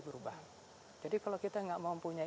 berubah jadi kalau kita nggak mempunyai